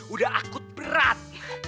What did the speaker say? udah akut berat